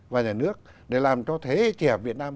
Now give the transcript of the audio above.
và nhà nước để làm cho thế hệ trẻ việt nam